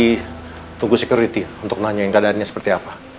tunggu security untuk nanyain keadaannya seperti apa